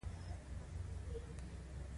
دا نوې اړیکې باید له مؤلده ځواکونو سره همغږې وي.